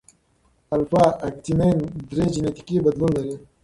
الفا اکتینین درې جینیټیکي بدلون لري.